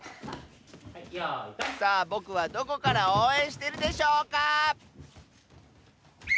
さあぼくはどこからおうえんしてるでしょうか？